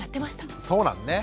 そうなんだね。